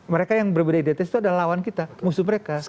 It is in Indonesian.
mereka yang berbeda identitas itu adalah lawan kita musuh mereka